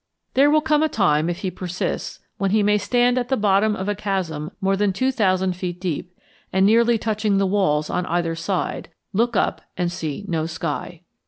There will come a time if he persists when he may stand at the bottom of a chasm more than two thousand feet deep and, nearly touching the walls on either side, look up and see no sky.